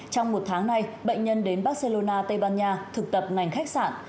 trong một tháng nay bệnh nhân đến barcelona tây ban nha thực tập ngành khách sạn